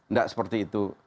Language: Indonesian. nggak seperti itu